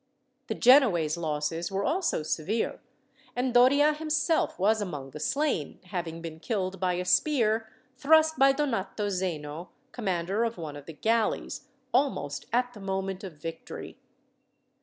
The Genoese losses were also severe, and Doria himself was among the slain, having been killed by a spear thrust by Donato Zeno, commander of one of the galleys, almost at the moment of victory.